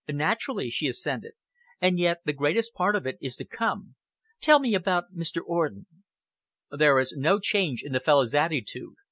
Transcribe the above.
"Naturally," she assented, "and yet the greatest part of it is to come. Tell me about Mr. Orden?" "There is no change in the fellow's attitude.